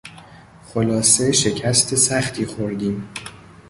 خلاصه شکست سختی خوردیم.